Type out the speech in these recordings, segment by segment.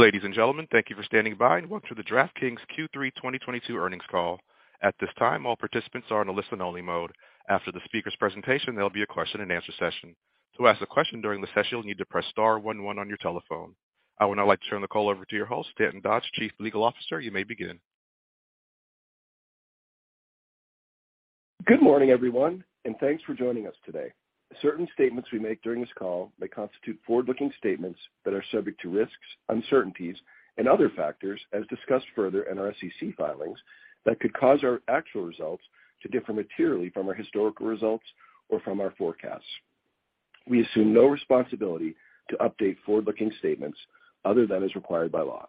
Ladies and gentlemen, thank you for standing by, and welcome to the DraftKings Q3 2022 earnings call. At this time, all participants are in a listen-only mode. After the speaker's presentation, there'll be a question and answer session. To ask a question during the session, you'll need to press star one on your telephone. I would now like to turn the call over to your host, Stanton Dodge, Chief Legal Officer. You may begin. Good morning, everyone, and thanks for joining us today. Certain statements we make during this call may constitute forward-looking statements that are subject to risks, uncertainties and other factors, as discussed further in our SEC filings, that could cause our actual results to differ materially from our historical results or from our forecasts. We assume no responsibility to update forward-looking statements other than as required by law.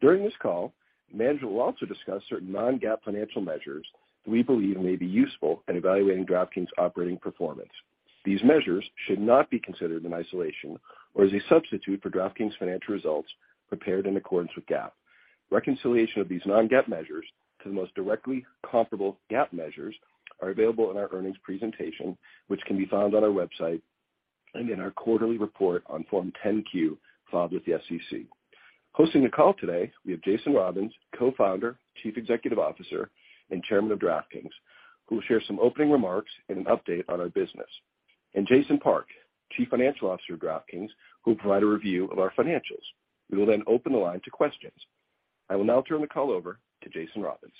During this call, management will also discuss certain non-GAAP financial measures that we believe may be useful in evaluating DraftKings' operating performance. These measures should not be considered in isolation or as a substitute for DraftKings' financial results prepared in accordance with GAAP. Reconciliation of these non-GAAP measures to the most directly comparable GAAP measures are available in our earnings presentation, which can be found on our website and in our quarterly report on Form 10-Q filed with the SEC. Hosting the call today, we have Jason Robins, Co-founder, Chief Executive Officer and Chairman of DraftKings, who will share some opening remarks and an update on our business, and Jason Park, Chief Financial Officer of DraftKings, who will provide a review of our financials. We will then open the line to questions. I will now turn the call over to Jason Robins.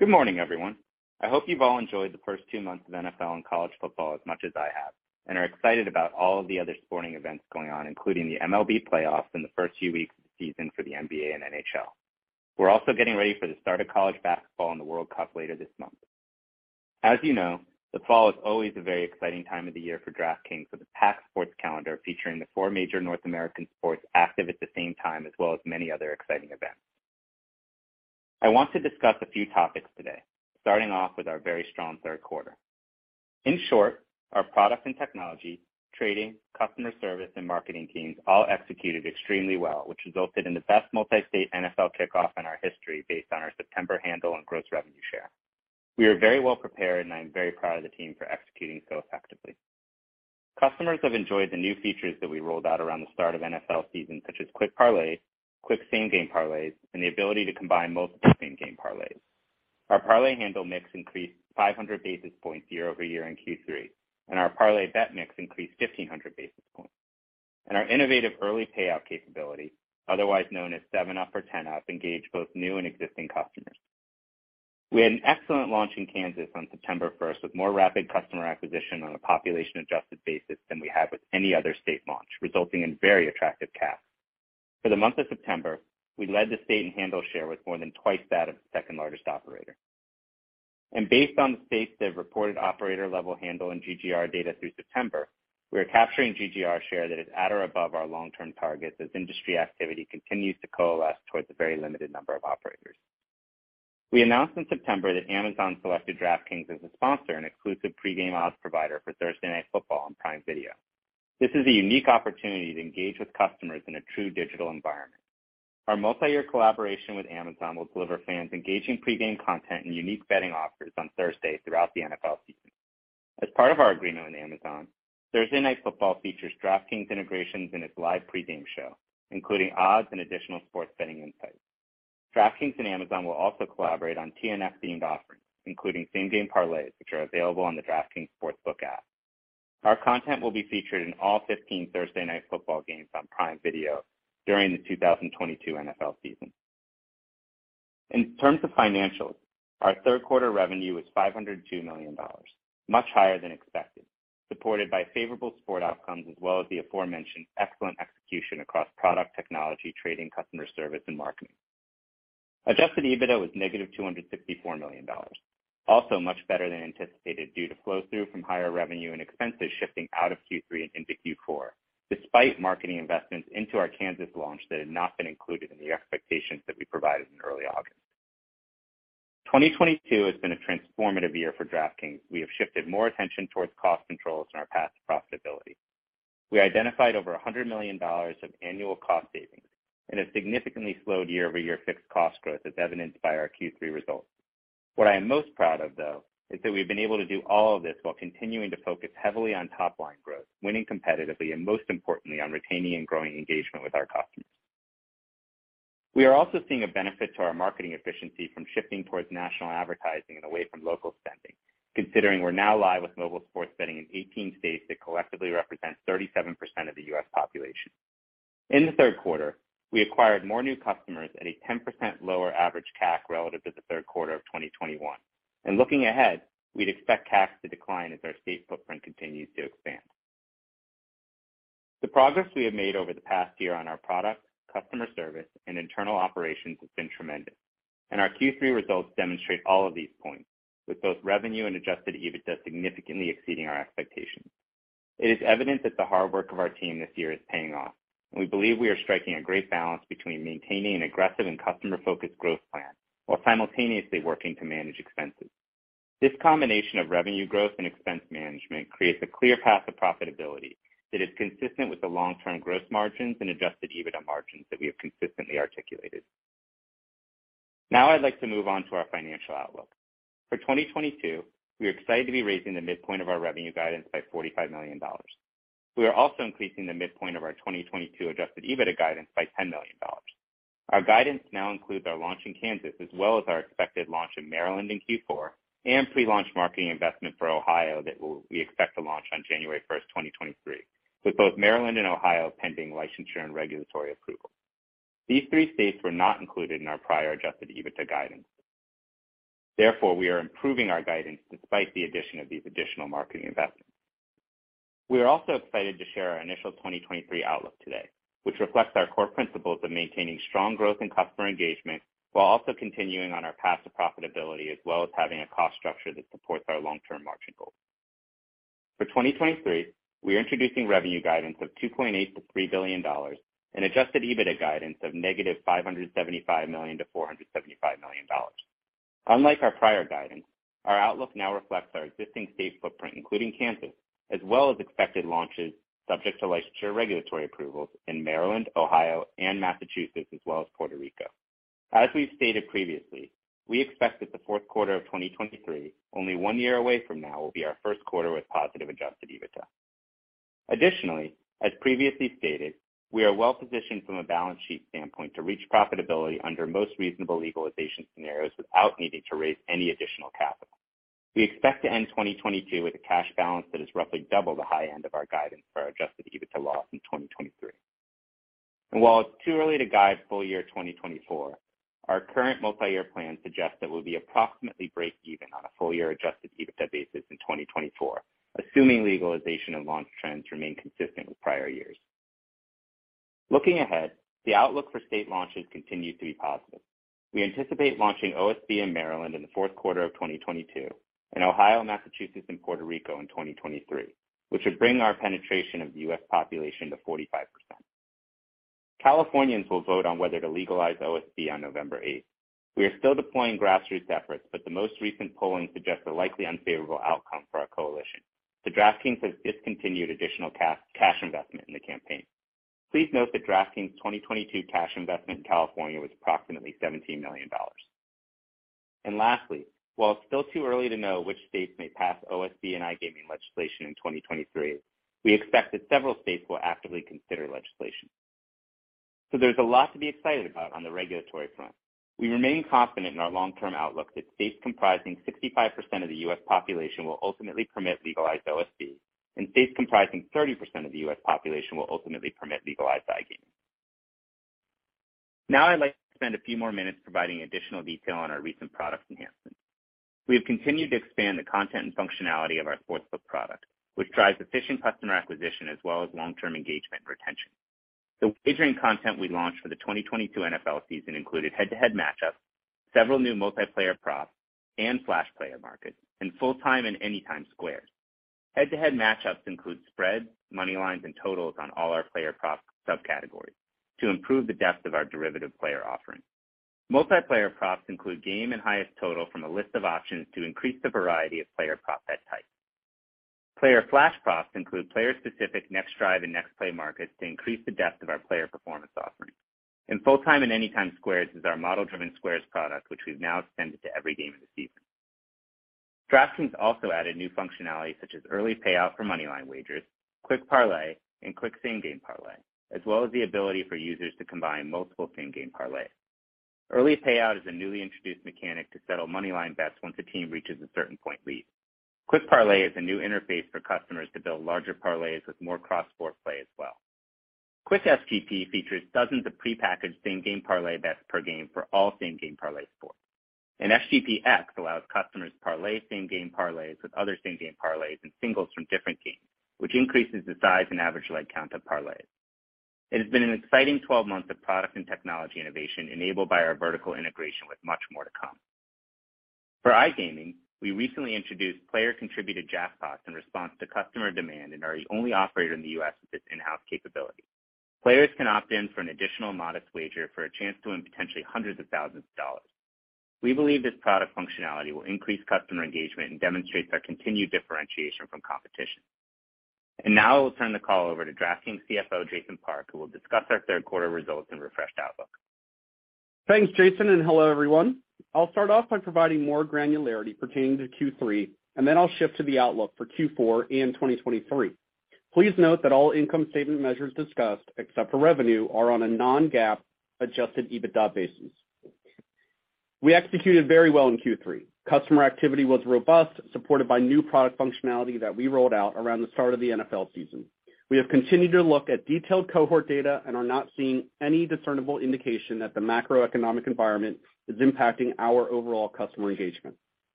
Good morning, everyone. I hope you've all enjoyed the first two months of NFL and college football as much as I have, and are excited about all of the other sporting events going on, including the MLB playoffs and the first few weeks of the season for the NBA and NHL. We're also getting ready for the start of college basketball and the World Cup later this month. As you know, the fall is always a very exciting time of the year for DraftKings, with a packed sports calendar featuring the four major North American sports active at the same time, as well as many other exciting events. I want to discuss a few topics today, starting off with our very strong third quarter. In short, our product and technology, trading, customer service, and marketing teams all executed extremely well, which resulted in the best multi-state NFL kickoff in our history based on our September handle and gross revenue share. We are very well prepared, and I am very proud of the team for executing so effectively. Customers have enjoyed the new features that we rolled out around the start of NFL season, such as quick parlays, quick same-game parlays, and the ability to combine multiple same-game parlays. Our parlay handle mix increased 500 basis points year-over-year in Q3, and our parlay bet mix increased 1,500 basis points. Our innovative early payout capability, otherwise known as 7 Up or 10 Up, engaged both new and existing customers. We had an excellent launch in Kansas on September 1, with more rapid customer acquisition on a population-adjusted basis than we had with any other state launch, resulting in very attractive CAC. For the month of September, we led the state in handle share with more than twice that of the second-largest operator. Based on the states that have reported operator-level handle and GGR data through September, we are capturing GGR share that is at or above our long-term targets as industry activity continues to coalesce towards a very limited number of operators. We announced in September that Amazon selected DraftKings as a sponsor and exclusive pre-game odds provider for Thursday Night Football on Prime Video. This is a unique opportunity to engage with customers in a true digital environment. Our multi-year collaboration with Amazon will deliver fans engaging pre-game content and unique betting offers on Thursdays throughout the NFL season. As part of our agreement with Amazon, Thursday Night Football features DraftKings integrations in its live pre-game show, including odds and additional sports betting insights. DraftKings and Amazon will also collaborate on TNF-themed offerings, including same-game parlays, which are available on the DraftKings Sportsbook app. Our content will be featured in all 15 Thursday Night Football games on Prime Video during the 2022 NFL season. In terms of financials, our Q3 revenue was $502 million, much higher than expected, supported by favorable sport outcomes as well as the aforementioned excellent execution across product technology, trading, customer service, and marketing. Adjusted EBITDA was -$264 million, also much better than anticipated due to flow-through from higher revenue and expenses shifting out of Q3 and into Q4, despite marketing investments into our Kansas launch that had not been included in the expectations that we provided in early August. 2022 has been a transformative year for DraftKings. We have shifted more attention towards cost controls and our path to profitability. We identified over $100 million of annual cost savings and have significantly slowed year-over-year fixed cost growth, as evidenced by our Q3 results. What I am most proud of, though, is that we've been able to do all of this while continuing to focus heavily on top line growth, winning competitively, and most importantly, on retaining and growing engagement with our customers. We are also seeing a benefit to our marketing efficiency from shifting towards national advertising and away from local spending, considering we're now live with mobile sports betting in 18 states that collectively represent 37% of the U.S. population. In the Q3, we acquired more new customers at a 10% lower average CAC relative to the Q3 of 2021. Looking ahead, we'd expect CAC to decline as our state footprint continues to expand. The progress we have made over the past year on our products, customer service, and internal operations has been tremendous, and our Q3 results demonstrate all of these points, with both revenue and adjusted EBITDA significantly exceeding our expectations. It is evident that the hard work of our team this year is paying off, and we believe we are striking a great balance between maintaining an aggressive and customer-focused growth plan while simultaneously working to manage expenses. This combination of revenue growth and expense management creates a clear path to profitability that is consistent with the long-term gross margins and adjusted EBITDA margins that we have consistently articulated. Now I'd like to move on to our financial outlook. For 2022, we are excited to be raising the midpoint of our revenue guidance by $45 million. We are also increasing the midpoint of our 2022 adjusted EBITDA guidance by $10 million. Our guidance now includes our launch in Kansas as well as our expected launch in Maryland in Q4 and pre-launch marketing investment for Ohio that we expect to launch on January 1, 2023, with both Maryland and Ohio pending licensure and regulatory approval. These three states were not included in our prior adjusted EBITDA guidance. Therefore, we are improving our guidance despite the addition of these additional marketing investments. We are also excited to share our initial 2023 outlook today, which reflects our core principles of maintaining strong growth in customer engagement while also continuing on our path to profitability, as well as having a cost structure that supports our long-term margin goals. For 2023, we are introducing revenue guidance of $2.8 billion-$3 billion and adjusted EBITDA guidance of -$575 million to $475 million. Unlike our prior guidance, our outlook now reflects our existing state footprint, including Kansas, as well as expected launches subject to licensing and regulatory approvals in Maryland, Ohio, and Massachusetts, as well as Puerto Rico. As we've stated previously, we expect that the Q4 of 2023, only one year away from now, will be our Q1 with positive adjusted EBITDA. Additionally, as previously stated, we are well-positioned from a balance sheet standpoint to reach profitability under most reasonable legalization scenarios without needing to raise any additional capital. We expect to end 2022 with a cash balance that is roughly double the high end of our guidance for our adjusted EBITDA loss in 2023. While it's too early to guide full year 2024, our current multi-year plan suggests that we'll be approximately break even on a full-year adjusted EBITDA basis in 2024, assuming legalization and launch trends remain consistent with prior years. Looking ahead, the outlook for state launches continue to be positive. We anticipate launching OSB in Maryland in the Q4 of 2022, and Ohio, Massachusetts, and Puerto Rico in 2023, which would bring our penetration of the U.S. population to 45%. Californians will vote on whether to legalize OSB on November eighth. We are still deploying grassroots efforts, but the most recent polling suggests a likely unfavorable outcome for our coalition. DraftKings has discontinued additional cash investment in the campaign. Please note that DraftKings's 2022 cash investment in California was approximately $17 million. Lastly, while it's still too early to know which states may pass OSB and iGaming legislation in 2023, we expect that several states will actively consider legislation. There's a lot to be excited about on the regulatory front. We remain confident in our long-term outlook that states comprising 65% of the U.S. population will ultimately permit legalized OSB, and states comprising 30% of the U.S. population will ultimately permit legalized iGaming. Now, I'd like to spend a few more minutes providing additional detail on our recent product enhancements. We have continued to expand the content and functionality of our sportsbook product, which drives efficient customer acquisition as well as long-term engagement and retention. The wagering content we launched for the 2022 NFL season included head-to-head matchups, several new multiplayer props and flash player markets, and full-time and anytime squares. Head-to-head matchups include spreads, money lines, and totals on all our player prop subcategories to improve the depth of our derivative player offerings. Multiplayer props include game and highest total from a list of options to increase the variety of player prop bet types. Player flash props include player-specific next drive and next play markets to increase the depth of our player performance offerings. Full-time and anytime squares is our model-driven squares product, which we've now extended to every game of the season. DraftKings also added new functionality such as early payout for money line wagers, quick parlay, and quick same game parlay, as well as the ability for users to combine multiple same game parlay. Early payout is a newly introduced mechanic to settle money line bets once a team reaches a certain point lead. Quick parlay is a new interface for customers to build larger parlays with more cross-sport play as well. Quick SGP features dozens of prepackaged same game parlay bets per game for all same game parlay sports. SGPX allows customers to parlay same game parlays with other same game parlays and singles from different games, which increases the size and average leg count of parlays. It has been an exciting 12 months of product and technology innovation enabled by our vertical integration with much more to come. For iGaming, we recently introduced player-contributed jackpots in response to customer demand and are the only operator in the U.S. with this in-house capability. Players can opt in for an additional modest wager for a chance to win potentially hundreds of thousands of dollars. We believe this product functionality will increase customer engagement and demonstrates our continued differentiation from competition. Now I will turn the call over to DraftKings CFO, Jason Park, who will discuss our Q3 results and refreshed outlook. Thanks, Jason, and hello, everyone. I'll start off by providing more granularity pertaining to Q3, and then I'll shift to the outlook for Q4 and 2023. Please note that all income statement measures discussed, except for revenue, are on a non-GAAP adjusted EBITDA basis. We executed very well in Q3. Customer activity was robust, supported by new product functionality that we rolled out around the start of the NFL season. We have continued to look at detailed cohort data and are not seeing any discernible indication that the macroeconomic environment is impacting our overall customer engagement.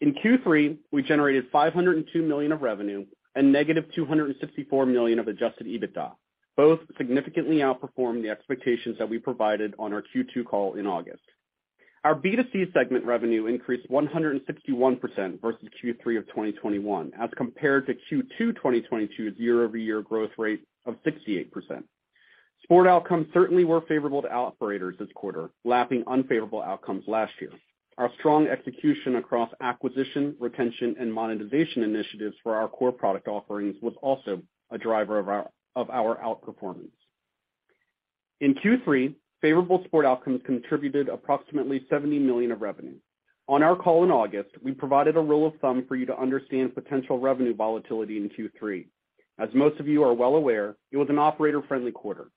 In Q3, we generated $502 million of revenue and -$264 million of adjusted EBITDA, both significantly outperformed the expectations that we provided on our Q2 call in August. Our B2C segment revenue increased 161% versus Q3 of 2021 as compared to Q2 2022's year-over-year growth rate of 68%. Sport outcomes certainly were favorable to operators this quarter, lapping unfavorable outcomes last year. Our strong execution across acquisition, retention, and monetization initiatives for our core product offerings was also a driver of our outperformance. In Q3, favorable sport outcomes contributed approximately $70 million of revenue. On our call in August, we provided a rule of thumb for you to understand potential revenue volatility in Q3. As most of you are well aware, it was an operator-friendly quarter.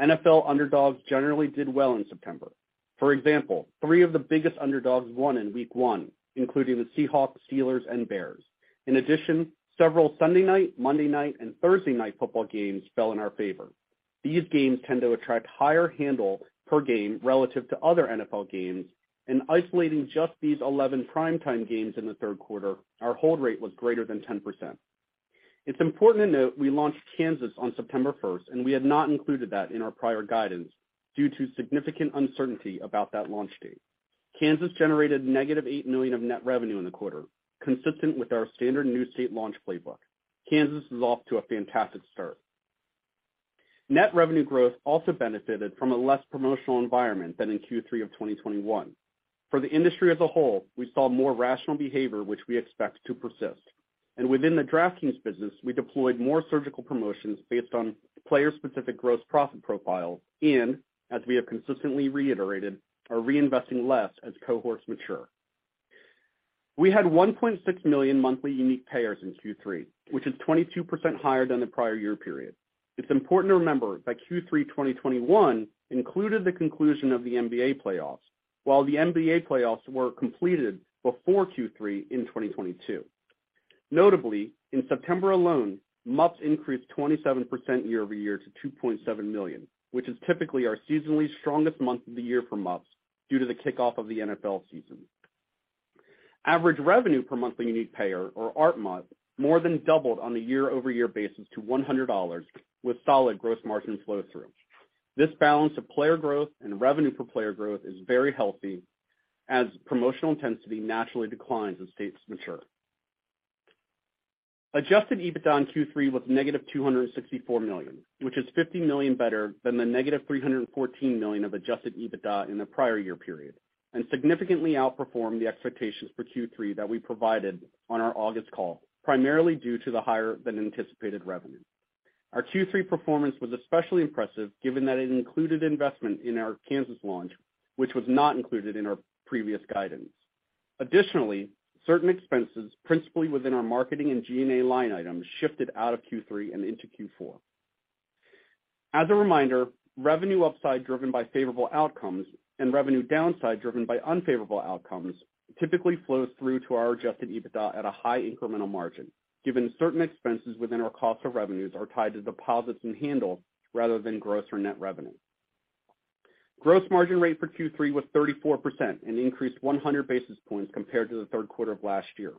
NFL underdogs generally did well in September. For example, three of the biggest underdogs won in week one, including the Seahawks, Steelers, and Bears. In addition, several Sunday night, Monday night, and Thursday Night Football games fell in our favor. These games tend to attract higher handle per game relative to other NFL games, and isolating just these 11 prime time games in the Q3, our hold rate was greater than 10%. It's important to note we launched Kansas on September 1, and we had not included that in our prior guidance due to significant uncertainty about that launch date. Kansas generated -$8 million of net revenue in the quarter, consistent with our standard new state launch playbook. Kansas is off to a fantastic start. Net revenue growth also benefited from a less promotional environment than in Q3 of 2021. For the industry as a whole, we saw more rational behavior which we expect to persist. Within the DraftKings business, we deployed more surgical promotions based on player-specific gross profit profile and, as we have consistently reiterated, are reinvesting less as cohorts mature. We had 1.6 million monthly unique payers in Q3, which is 22% higher than the prior year period. It's important to remember that Q3 2021 included the conclusion of the NBA playoffs, while the NBA playoffs were completed before Q3 in 2022. Notably, in September alone, MUPs increased 27% year-over-year to 2.7 million, which is typically our seasonally strongest month of the year for MUPs due to the kickoff of the NFL season. Average revenue per monthly unique payer, or ARPMUP, more than doubled on a year-over-year basis to $100 with solid gross margin flow through. This balance of player growth and revenue per player growth is very healthy as promotional intensity naturally declines as states mature. Adjusted EBITDA in Q3 was -$264 million, which is $50 million better than the -$314 million of adjusted EBITDA in the prior year period and significantly outperformed the expectations for Q3 that we provided on our August call, primarily due to the higher than anticipated revenue. Our Q3 performance was especially impressive given that it included investment in our Kansas launch, which was not included in our previous guidance. Additionally, certain expenses, principally within our marketing and G&A line items, shifted out of Q3 and into Q4. As a reminder, revenue upside driven by favorable outcomes and revenue downside driven by unfavorable outcomes typically flows through to our adjusted EBITDA at a high incremental margin, given certain expenses within our cost of revenues are tied to deposits and handle rather than gross or net revenue. Gross margin rate for Q3 was 34% and increased 100 basis points compared to the Q3 of last year.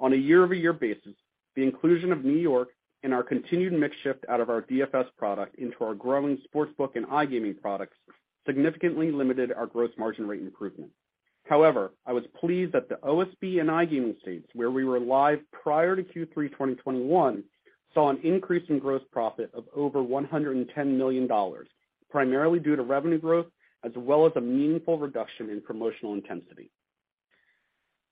On a year-over-year basis, the inclusion of New York and our continued mix shift out of our DFS product into our growing Sportsbook and iGaming products significantly limited our gross margin rate improvement. However, I was pleased that the OSB and iGaming states where we were live prior to Q3 2021 saw an increase in gross profit of over $110 million, primarily due to revenue growth, as well as a meaningful reduction in promotional intensity.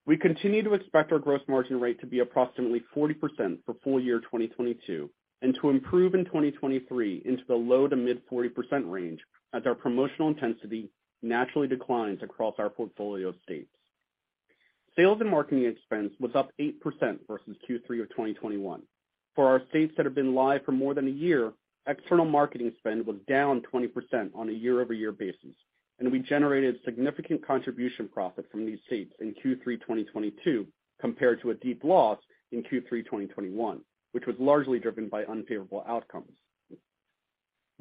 We continue to expect our gross margin rate to be approximately 40% for full year 2022 and to improve in 2023 into the low-to-mid 40% range as our promotional intensity naturally declines across our portfolio of states. Sales and marketing expense was up 8% versus Q3 of 2021. For our states that have been live for more than a year, external marketing spend was down 20% on a year-over-year basis, and we generated significant contribution profit from these states in Q3 2022 compared to a deep loss in Q3 2021, which was largely driven by unfavorable outcomes.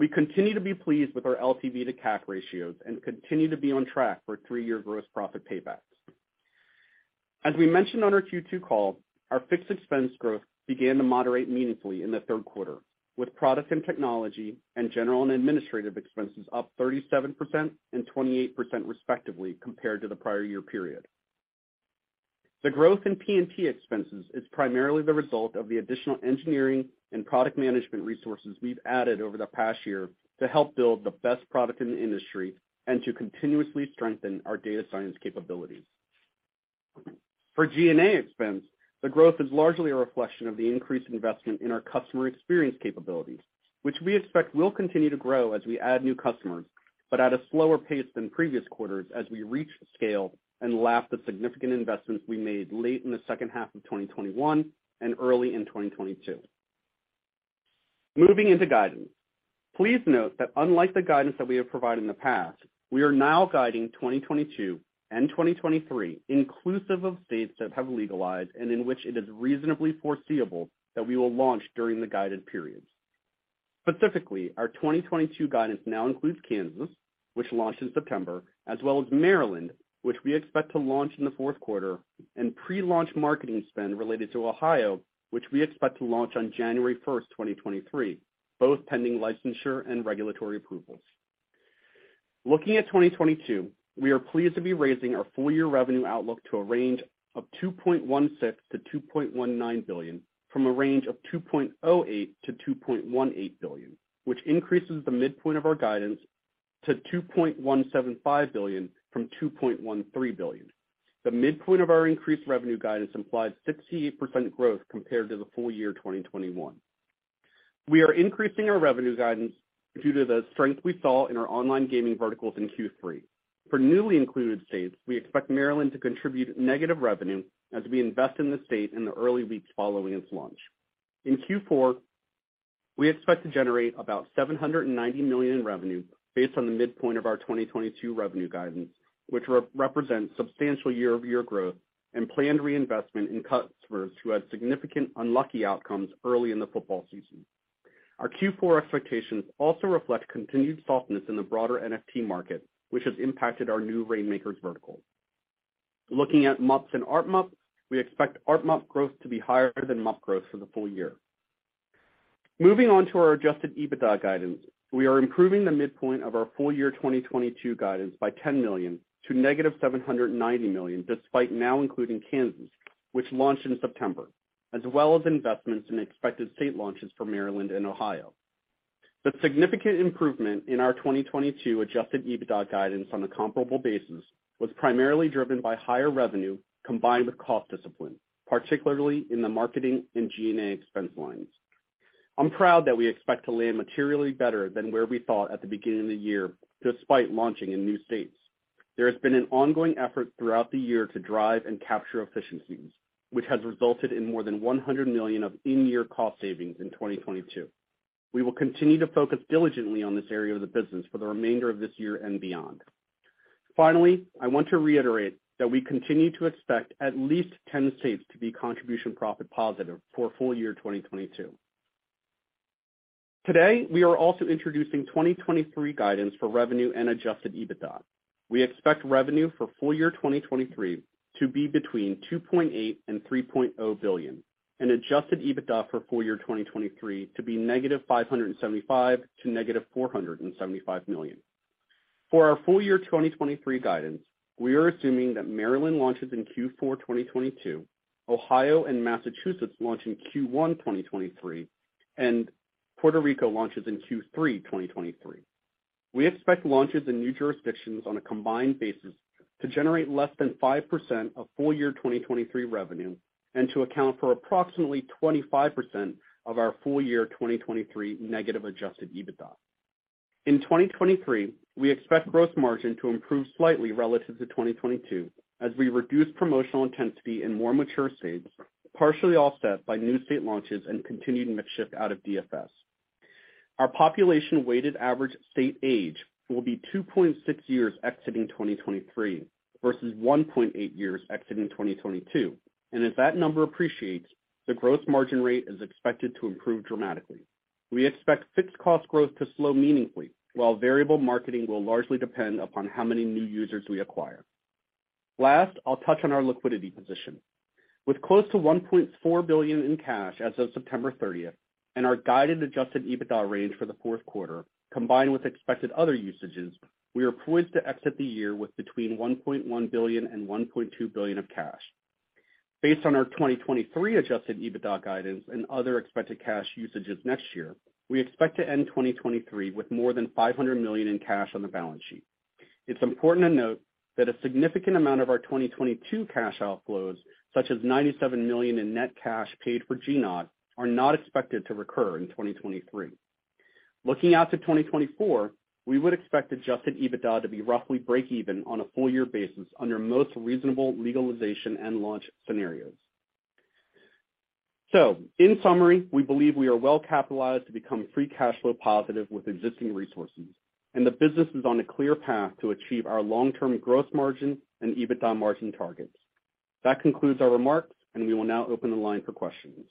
We continue to be pleased with our LTV to CAC ratios and continue to be on track for three-year gross profit paybacks. As we mentioned on our Q2 call, our fixed expense growth began to moderate meaningfully in the Q3, with product and technology and general and administrative expenses up 37% and 28% respectively compared to the prior year period. The growth in P&T expenses is primarily the result of the additional engineering and product management resources we've added over the past year to help build the best product in the industry and to continuously strengthen our data science capabilities. For G&A expense, the growth is largely a reflection of the increased investment in our customer experience capabilities, which we expect will continue to grow as we add new customers, but at a slower pace than previous quarters as we reach scale and lap the significant investments we made late in the second half of 2021 and early in 2022. Moving into guidance. Please note that unlike the guidance that we have provided in the past, we are now guiding 2022 and 2023 inclusive of states that have legalized and in which it is reasonably foreseeable that we will launch during the guided periods. Specifically, our 2022 guidance now includes Kansas, which launched in September, as well as Maryland, which we expect to launch in the Q4, and pre-launch marketing spend related to Ohio, which we expect to launch on January 1, 2023, both pending licensure and regulatory approvals. Looking at 2022, we are pleased to be raising our full year revenue outlook to a range of $2.16 billion-$2.19 billion from a range of $2.08 billion-$2.18 billion, which increases the midpoint of our guidance to $2.175 billion from $2.13 billion. The midpoint of our increased revenue guidance implies 68% growth compared to the full year 2021. We are increasing our revenue guidance due to the strength we saw in our online gaming verticals in Q3. For newly included states, we expect Maryland to contribute negative revenue as we invest in the state in the early weeks following its launch. In Q4, we expect to generate about $790 million in revenue based on the midpoint of our 2022 revenue guidance, which represents substantial year-over-year growth and planned reinvestment in customers who had significant unlucky outcomes early in the football season. Our Q4 expectations also reflect continued softness in the broader NFT market, which has impacted our new Reignmakers vertical. Looking at MUPs and ARPMUP, we expect ARPMUP growth to be higher than MUP growth for the full year. Moving on to our adjusted EBITDA guidance, we are improving the midpoint of our full year 2022 guidance by $10 million to -$790 million, despite now including Kansas, which launched in September, as well as investments in expected state launches for Maryland and Ohio. The significant improvement in our 2022 adjusted EBITDA guidance on a comparable basis was primarily driven by higher revenue combined with cost discipline, particularly in the marketing and G&A expense lines. I'm proud that we expect to land materially better than where we thought at the beginning of the year despite launching in new states. There has been an ongoing effort throughout the year to drive and capture efficiencies, which has resulted in more than $100 million of in-year cost savings in 2022. We will continue to focus diligently on this area of the business for the remainder of this year and beyond. Finally, I want to reiterate that we continue to expect at least 10 states to be contribution profit positive for full year 2022. Today, we are also introducing 2023 guidance for revenue and adjusted EBITDA. We expect revenue for full year 2023 to be between $2.8 billion and $3.0 billion and adjusted EBITDA for full year 2023 to be -$575 million to -$475 million. For our full year 2023 guidance, we are assuming that Maryland launches in Q4 2022, Ohio and Massachusetts launch in Q1 2023, and Puerto Rico launches in Q3 2023. We expect launches in new jurisdictions on a combined basis to generate less than 5% of full year 2023 revenue and to account for approximately 25% of our full year 2023 negative adjusted EBITDA. In 2023, we expect gross margin to improve slightly relative to 2022 as we reduce promotional intensity in more mature states, partially offset by new state launches and continued mix shift out of DFS. Our population weighted average state age will be 2.6 years exiting 2023 versus 1.8 years exiting 2022. As that number appreciates, the gross margin rate is expected to improve dramatically. We expect fixed cost growth to slow meaningfully while variable marketing will largely depend upon how many new users we acquire. Last, I'll touch on our liquidity position. With close to $1.4 billion in cash as of September 30th and our guided adjusted EBITDA range for the Q4 combined with expected other usages, we are poised to exit the year with between $1.1 billion and $1.2 billion of cash. Based on our 2023 adjusted EBITDA guidance and other expected cash usages next year, we expect to end 2023 with more than $500 million in cash on the balance sheet. It's important to note that a significant amount of our 2022 cash outflows, such as $97 million in net cash paid for GNOG, are not expected to recur in 2023. Looking out to 2024, we would expect adjusted EBITDA to be roughly breakeven on a full year basis under most reasonable legalization and launch scenarios. In summary, we believe we are well capitalized to become free cash flow positive with existing resources, and the business is on a clear path to achieve our long-term gross margin and EBITDA margin targets. That concludes our remarks, and we will now open the line for questions.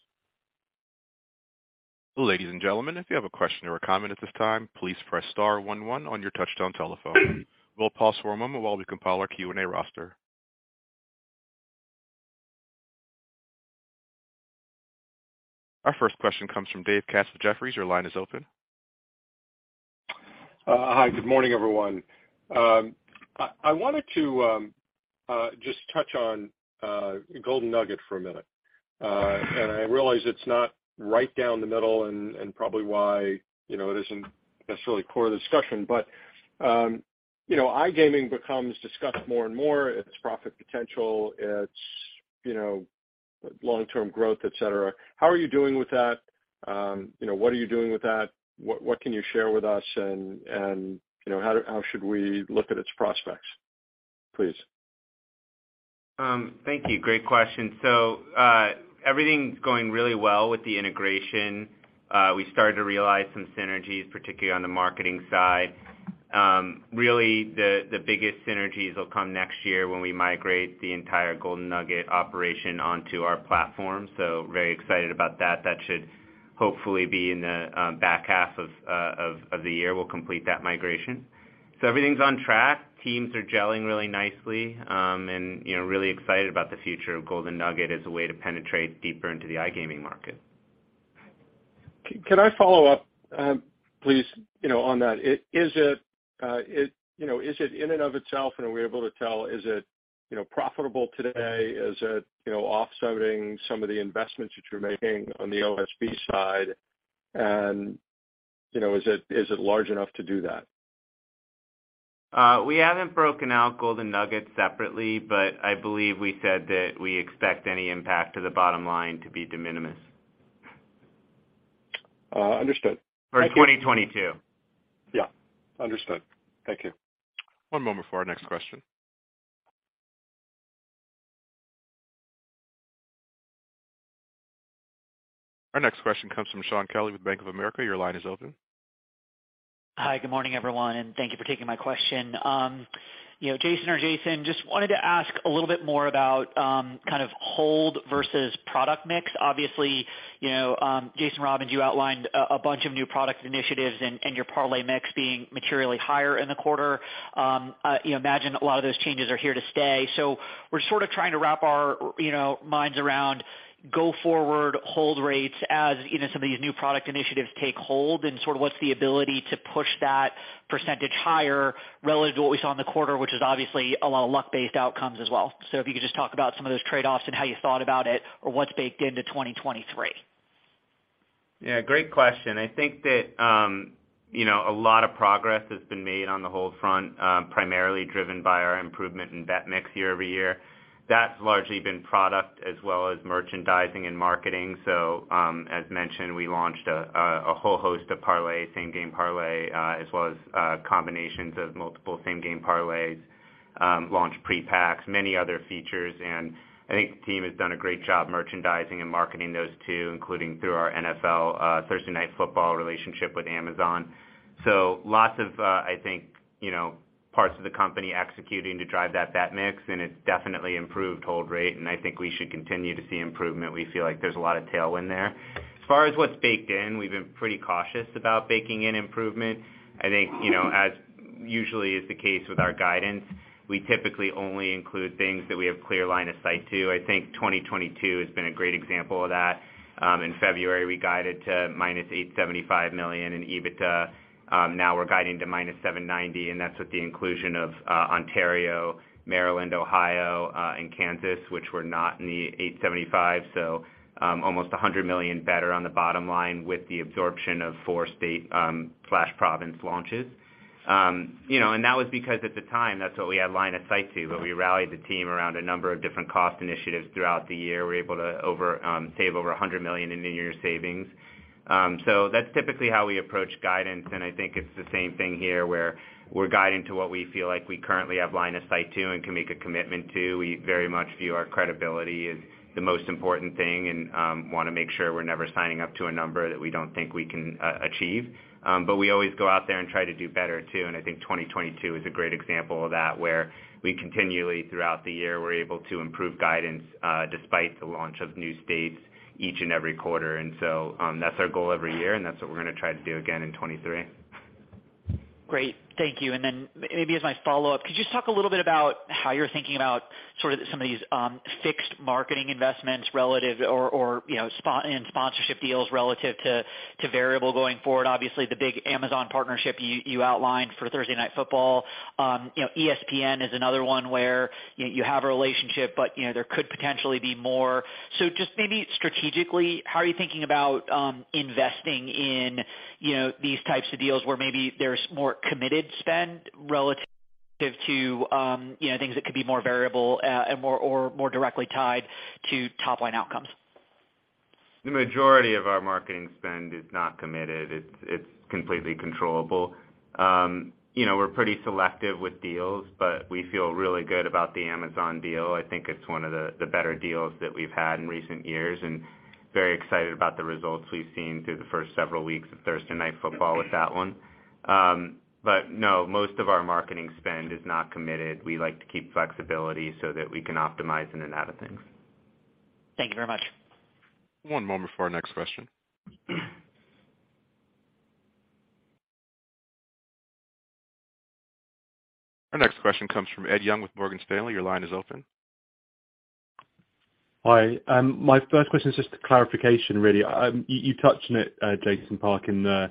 Ladies and gentlemen, if you have a question or a comment at this time, please press star one on your touch-tone telephone. We'll pause for a moment while we compile our Q&A roster. Our first question comes from David Katz with Jefferies. Your line is open. Hi, good morning, everyone. I wanted to just touch on Golden Nugget for a minute. I realize it's not right down the middle and probably why, you know, it isn't necessarily core to the discussion, but you know, iGaming becomes discussed more and more. Its profit potential, its, you know, long-term growth, et cetera. How are you doing with that? You know, what are you doing with that? What can you share with us? You know, how should we look at its prospects, please? Thank you. Great question. Everything's going really well with the integration. We started to realize some synergies, particularly on the marketing side. Really, the biggest synergies will come next year when we migrate the entire Golden Nugget operation onto our platform. Very excited about that. That should hopefully be in the back half of the year, we'll complete that migration. Everything's on track. Teams are gelling really nicely, and you know, really excited about the future of Golden Nugget as a way to penetrate deeper into the iGaming market. Can I follow up, please, you know, on that? Is it in and of itself and are we able to tell, is it? You know, profitable today, is it, you know, offsetting some of the investments that you're making on the OSB side? You know, is it, is it large enough to do that? We haven't broken out Golden Nugget separately, but I believe we said that we expect any impact to the bottom line to be de minimis. Understood. Thank you. For 2022. Yeah. Understood. Thank you. One moment for our next question. Our next question comes from Shaun Kelley with Bank of America. Your line is open. Hi, good morning, everyone, and thank you for taking my question. You know, Jason or Jason, just wanted to ask a little bit more about kind of hold versus product mix. Obviously, you know, Jason Robins, you outlined a bunch of new product initiatives and your parlay mix being materially higher in the quarter. You know, imagine a lot of those changes are here to stay. We're sort of trying to wrap our, you know, minds around go forward hold rates as even some of these new product initiatives take hold and sort of what's the ability to push that percentage higher relative to what we saw in the quarter, which is obviously a lot of luck based outcomes as well. If you could just talk about some of those trade-offs and how you thought about it or what's baked into 2023. Yeah, great question. I think that, you know, a lot of progress has been made on the hold front, primarily driven by our improvement in bet mix year over year. That's largely been product as well as merchandising and marketing. As mentioned, we launched a whole host of parlays, Same Game Parlay, as well as combinations of multiple Same Game Parlays, launched pre-packs, many other features. I think the team has done a great job merchandising and marketing those too, including through our NFL Thursday Night Football relationship with Amazon. Lots of, I think, you know, parts of the company executing to drive that bet mix, and it's definitely improved hold rate, and I think we should continue to see improvement. We feel like there's a lot of tailwind there. As far as what's baked in, we've been pretty cautious about baking in improvement. I think, you know, as usually is the case with our guidance, we typically only include things that we have clear line of sight to. I think 2022 has been a great example of that. In February, we guided to -$875 million in EBITDA. Now we're guiding to -$790 million, and that's with the inclusion of Ontario, Maryland, Ohio, and Kansas, which were not in the $875 million. Almost $100 million better on the bottom line with the absorption of four state/province launches. You know, and that was because at the time, that's what we had line of sight to, but we rallied the team around a number of different cost initiatives throughout the year. We were able to save over $100 million in new year savings. That's typically how we approach guidance, and I think it's the same thing here where we're guiding to what we feel like we currently have line of sight to and can make a commitment to. We very much view our credibility as the most important thing and wanna make sure we're never signing up to a number that we don't think we can achieve. We always go out there and try to do better, too. I think 2022 is a great example of that, where we continually, throughout the year, were able to improve guidance despite the launch of new states each and every quarter. That's our goal every year, and that's what we're gonna try to do again in 2023. Great. Thank you. Maybe as my follow-up, could you just talk a little bit about how you're thinking about sort of some of these, fixed marketing investments relative or, you know, and sponsorship deals relative to, variable going forward? Obviously, the big Amazon partnership you outlined for Thursday Night Football. You know, ESPN is another one where you have a relationship, but, you know, there could potentially be more. Just maybe strategically, how are you thinking about, investing in, you know, these types of deals where maybe there's more committed spend relative to, you know, things that could be more variable, and more directly tied to top-line outcomes? The majority of our marketing spend is not committed. It's completely controllable. You know, we're pretty selective with deals, but we feel really good about the Amazon deal. I think it's one of the better deals that we've had in recent years, and very excited about the results we've seen through the first several weeks of Thursday Night Football with that one. But no, most of our marketing spend is not committed. We like to keep flexibility so that we can optimize in and out of things. Thank you very much. One moment for our next question. Our next question comes from Ed Young with Morgan Stanley. Your line is open. Hi. My first question is just a clarification, really. You touched on it, Jason Park, in the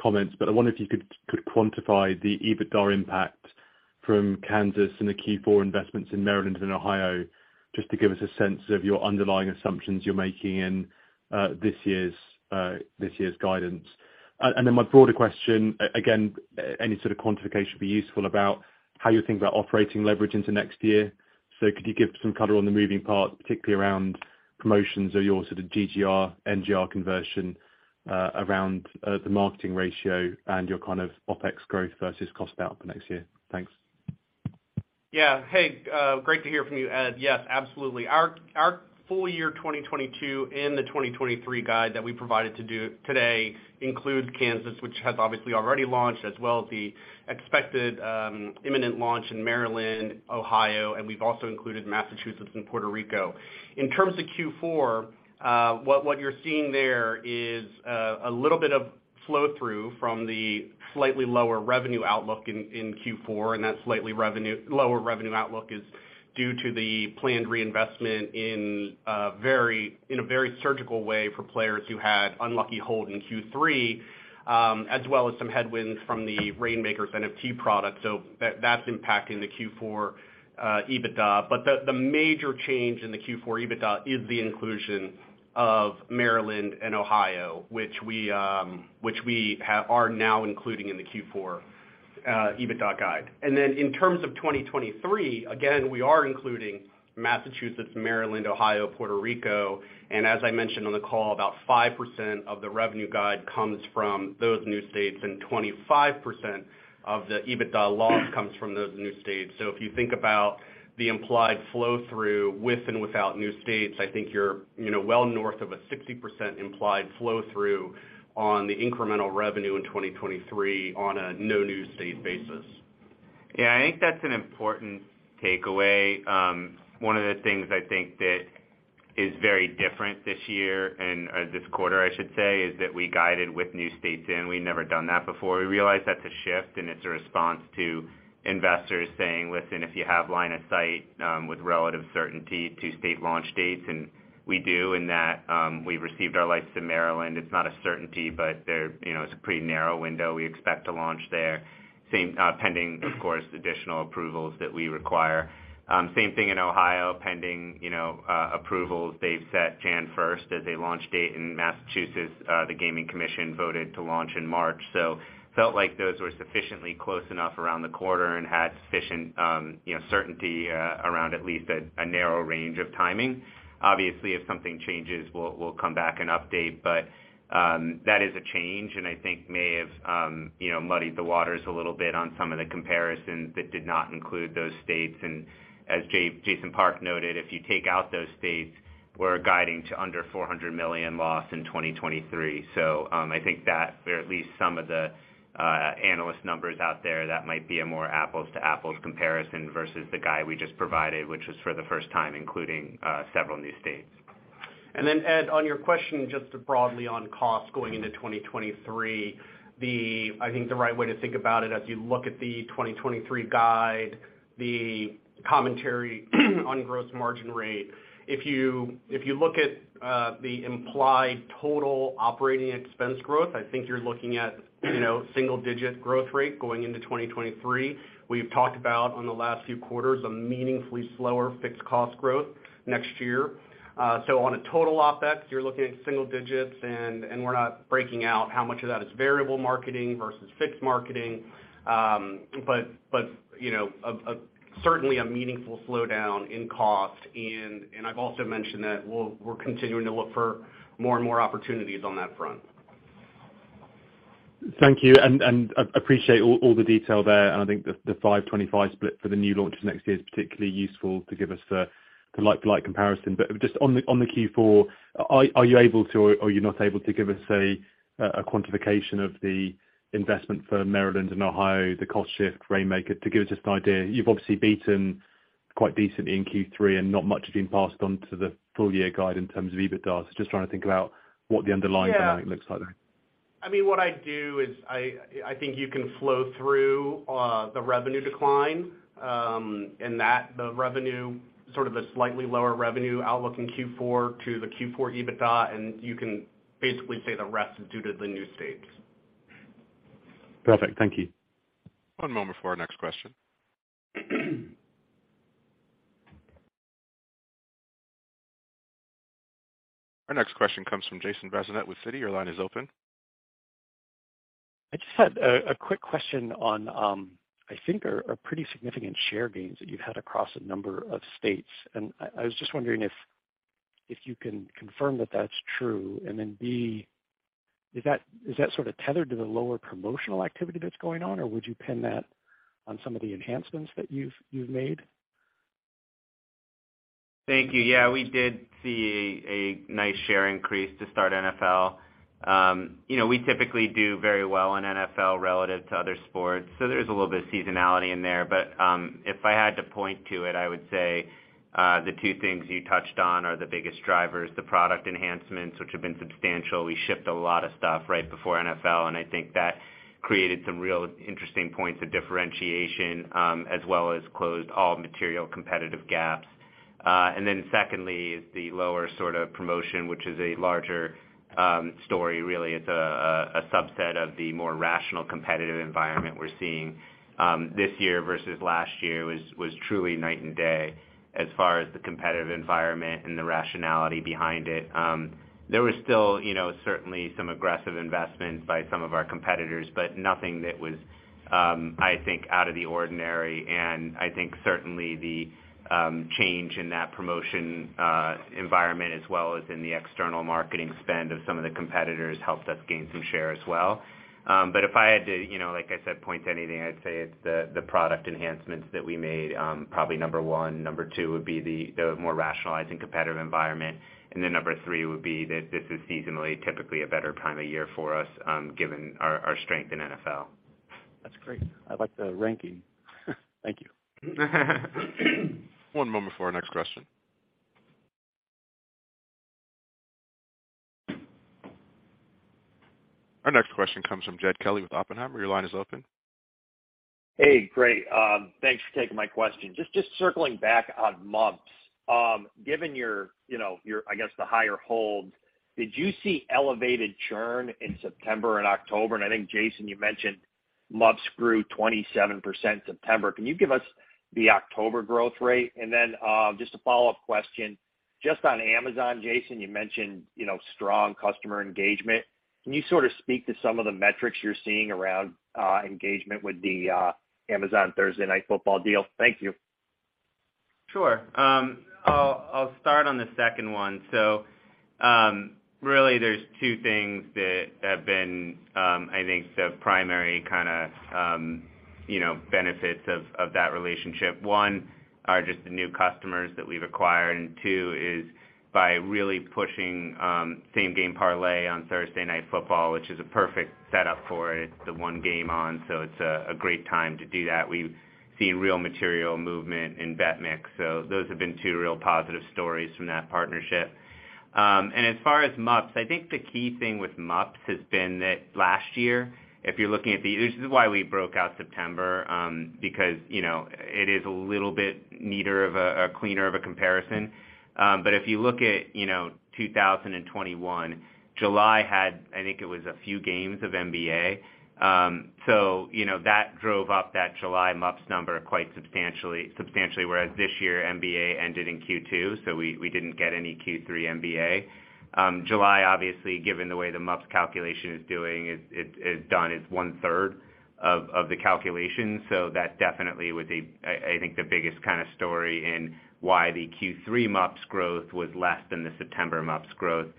comments, but I wonder if you could quantify the EBITDA impact from Kansas and the Q4 investments in Maryland and Ohio, just to give us a sense of your underlying assumptions you're making in this year's guidance. Then my broader question, again, any sort of quantification would be useful about how you think about operating leverage into next year. Could you give some color on the moving parts, particularly around promotions or your sort of GGR, NGR conversion, around the marketing ratio and your kind of OpEx growth versus cost out for next year? Thanks. Yeah. Hey, great to hear from you, Ed. Yes, absolutely. Our full year 2022 and the 2023 guide that we provided today includes Kansas, which has obviously already launched, as well as the expected imminent launch in Maryland, Ohio, and we've also included Massachusetts and Puerto Rico. In terms of Q4, what you're seeing there is a little bit of Flow through from the slightly lower revenue outlook in Q4, and that lower revenue outlook is due to the planned reinvestment in a very surgical way for players who had unlucky hold in Q3, as well as some headwinds from the Reignmakers NFT product. That's impacting the Q4 EBITDA. The major change in the Q4 EBITDA is the inclusion of Maryland and Ohio, which we are now including in the Q4 EBITDA guide. In terms of 2023, again, we are including Massachusetts, Maryland, Ohio, Puerto Rico. As I mentioned on the call, about 5% of the revenue guide comes from those new states, and 25% of the EBITDA loss comes from those new states. if you think about the implied flow through with and without new states, I think you're, you know, well north of a 60% implied flow through on the incremental revenue in 2023 on a no new state basis. Yeah, I think that's an important takeaway. One of the things I think that is very different this year and this quarter, I should say, is that we guided with new states in. We've never done that before. We realize that's a shift, and it's a response to investors saying, "Listen, if you have line of sight with relative certainty to state launch dates," and we do in that, we received our license in Maryland. It's not a certainty, but they're, you know, it's a pretty narrow window. We expect to launch there. Same, pending, of course, additional approvals that we require. Same thing in Ohio, pending, you know, approvals. They've set January first as a launch date in Massachusetts. The Gaming Commission voted to launch in March. Felt like those were sufficiently close enough around the quarter and had sufficient certainty around at least a narrow range of timing. Obviously, if something changes, we'll come back and update, but that is a change, and I think may have muddied the waters a little bit on some of the comparisons that did not include those states. As Jason Park noted, if you take out those states, we're guiding to under $400 million loss in 2023. I think that for at least some of the analyst numbers out there, that might be a more apples to apples comparison versus the guide we just provided, which was for the first time, including several new states. Ed, on your question, just broadly on cost going into 2023, I think the right way to think about it as you look at the 2023 guide, the commentary on gross margin rate. If you look at the implied total operating expense growth, I think you're looking at, you know, single-digit growth rate going into 2023. We've talked about on the last few quarters, a meaningfully slower fixed cost growth next year. So on a total OpEx, you're looking at single digits, and we're not breaking out how much of that is variable marketing versus fixed marketing. But you know, certainly a meaningful slowdown in cost. And I've also mentioned that we're continuing to look for more and more opportunities on that front. Thank you. I appreciate all the detail there. I think the 5-25 split for the new launches next year is particularly useful to give us the like-for-like comparison. Just on the Q4, are you able to, or are you not able to give us a quantification of the investment for Maryland and Ohio, the cost shift, Reignmakers, to give us just an idea. You've obviously beaten quite decently in Q3, and not much has been passed on to the full year guide in terms of EBITDA. Just trying to think about what the underlying dynamic looks like. Yeah. I mean, what I do is I think you can flow through the revenue decline in that the revenue sort of a slightly lower revenue outlook in Q4 to the Q4 EBITDA, and you can basically say the rest is due to the new states. Perfect. Thank you. One moment for our next question. Our next question comes from Jason Bazinet with Citi. Your line is open. I just had a quick question on, I think our pretty significant share gains that you've had across a number of states. I was just wondering if you can confirm that that's true. Then B, is that sort of tethered to the lower promotional activity that's going on? Or would you pin that on some of the enhancements that you've made? Thank you. Yeah, we did see a nice share increase to start NFL. You know, we typically do very well in NFL relative to other sports, so there's a little bit of seasonality in there. If I had to point to it, I would say the two things you touched on are the biggest drivers, the product enhancements, which have been substantial. We shipped a lot of stuff right before NFL, and I think that created some real interesting points of differentiation, as well as closed all material competitive gaps. And then secondly is the lower sort of promotion, which is a larger story really. It's a subset of the more rational competitive environment we're seeing. This year versus last year was truly night and day as far as the competitive environment and the rationality behind it. There was still, you know, certainly some aggressive investments by some of our competitors, but nothing that was, I think out of the ordinary. I think certainly the change in that promotional environment, as well as in the external marketing spend of some of the competitors helped us gain some share as well. If I had to, you know, like I said, point to anything, I'd say it's the product enhancements that we made, probably number one. Number two would be the more rational competitive environment. Number three would be that this is seasonally typically a better time of year for us, given our strength in NFL. That's great. I like the ranking. Thank you. One moment for our next question. Our next question comes from Jed Kelly with Oppenheimer. Your line is open. Hey, great. Thanks for taking my question. Just circling back on MUPs. Given your, you know, your, I guess, the higher hold, did you see elevated churn in September and October? I think, Jason, you mentioned MUPs grew 27% September. Can you give us the October growth rate? Then, just a follow-up question, just on Amazon, Jason, you mentioned, you know, strong customer engagement. Can you sort of speak to some of the metrics you're seeing around engagement with the Amazon Thursday Night Football deal? Thank you. I'll start on the second one. Really there's two things that have been, I think the primary kinda, you know, benefits of that relationship. One are just the new customers that we've acquired, and two is by really pushing same-game parlay on Thursday Night Football, which is a perfect setup for it. It's the one game on, so it's a great time to do that. We've seen real material movement in bet mix. Those have been two real positive stories from that partnership. As far as MUPs, I think the key thing with MUPs has been that last year, if you're looking at the. This is why we broke out September, because, you know, it is a little bit cleaner of a comparison. If you look at, you know, 2021, July had, I think it was a few games of NBA. So, you know, that drove up that July MUPs number quite substantially, whereas this year, NBA ended in Q2, so we didn't get any Q3 NBA. July, obviously, given the way the MUPs calculation is done, is one-third of the calculation. That definitely was, I think the biggest kinda story in why the Q3 MUPs growth was less than the September MUPs growth.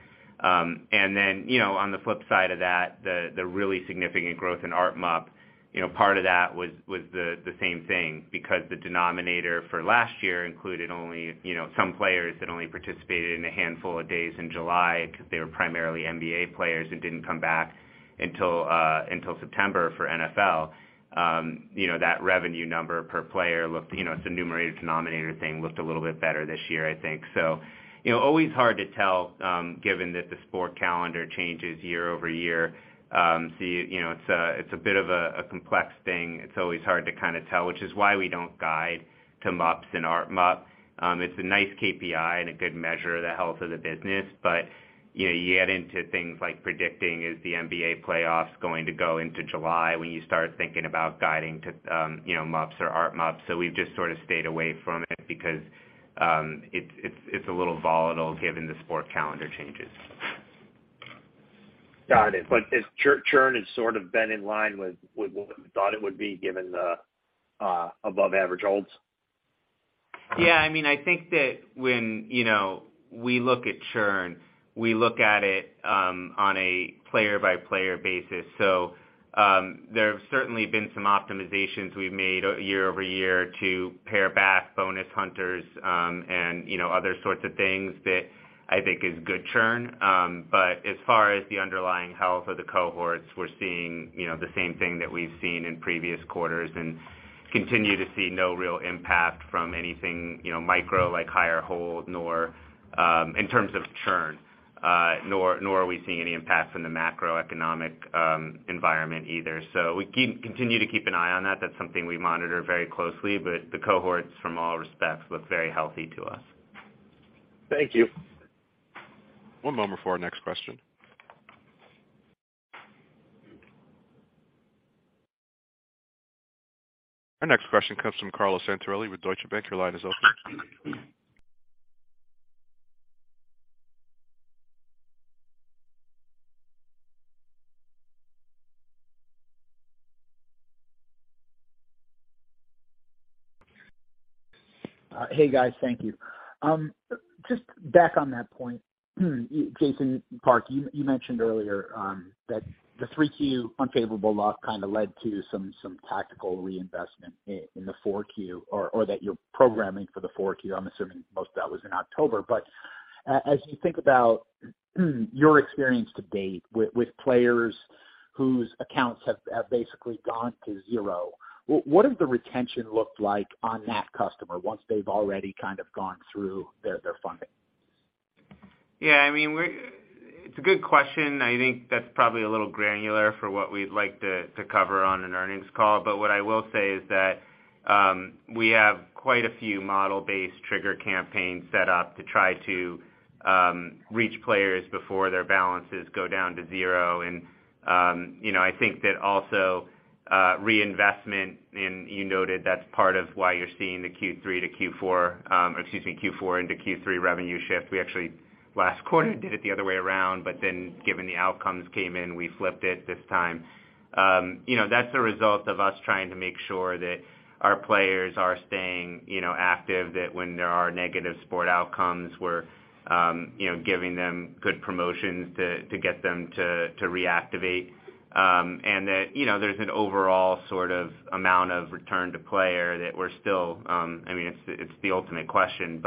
You know, on the flip side of that, the really significant growth in ARPMUP, you know, part of that was the same thing because the denominator for last year included only, you know, some players that only participated in a handful of days in July 'cause they were primarily NBA players who didn't come back until September for NFL. You know, that revenue number per player looked, you know, it's a numerator, denominator thing, looked a little bit better this year, I think. You know, always hard to tell, given that the sport calendar changes year-over-year. You know, it's a bit of a complex thing. It's always hard to kinda tell, which is why we don't guide to MUPs and ARPMUP. It's a nice KPI and a good measure of the health of the business. You know, you get into things like predicting, is the NBA playoffs going to go into July, when you start thinking about guiding to, you know, MUPs or ARPMUP. We've just sort of stayed away from it because it's a little volatile given the sports calendar changes. Got it. Has churn sort of been in line with what we thought it would be given the above average holds? Yeah. I mean, I think that when, you know, we look at churn, we look at it on a player-by-player basis. There have certainly been some optimizations we've made year-over-year to pare back bonus hunters, and, you know, other sorts of things that I think is good churn. As far as the underlying health of the cohorts, we're seeing, you know, the same thing that we've seen in previous quarters and continue to see no real impact from anything, you know, micro, like higher hold, nor in terms of churn. Nor are we seeing any impacts in the macroeconomic environment either. We continue to keep an eye on that. That's something we monitor very closely, but the cohorts from all respects look very healthy to us. Thank you. One moment for our next question. Our next question comes from Carlo Santarelli with Deutsche Bank. Your line is open. Hey, guys. Thank you. Just back on that point, Jason Park, you mentioned earlier that the Q3 unfavorable loss kinda led to some tactical reinvestment in the Q4 or that you're programming for the Q4. I'm assuming most of that was in October. As you think about your experience to date with players whose accounts have basically gone to zero, what does the retention look like on that customer once they've already kind of gone through their funding? Yeah, I mean, it's a good question. I think that's probably a little granular for what we'd like to cover on an earnings call. What I will say is that we have quite a few model-based trigger campaigns set up to try to reach players before their balances go down to zero. You know, I think that also reinvestment, and you noted that's part of why you're seeing the Q3 to Q4, or excuse me, Q4 into Q3 revenue shift. We actually last quarter did it the other way around, but then given the outcomes came in, we flipped it this time. You know, that's a result of us trying to make sure that our players are staying, you know, active, that when there are negative sport outcomes, we're, you know, giving them good promotions to get them to reactivate. You know, there's an overall sort of amount of return to player that we're still. I mean, it's the ultimate question.